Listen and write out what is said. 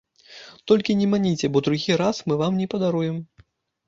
Толькі не маніце, бо другі раз мы вам не падаруем.